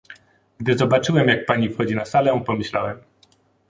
Gdy zobaczyłem, jak Pani wchodzi na salę, pomyślałem